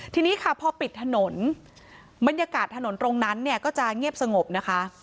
ทีนี้ค่ะพอปิดถนนบรรยากาศถนนตรงนั้นเนี่ยก็จะเงียบสงบนะคะ